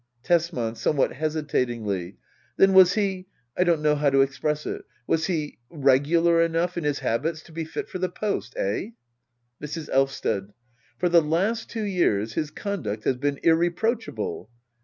$3 Tesman. [Sometvkat hesitatingly,] Then was he— I don't know how to express it— was he — regular enough in his habits to be fit for the post ? Eh ? Mrs. Elvsted. For the last two years his conduct has been irreproachable.